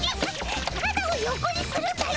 体を横にするんだよ。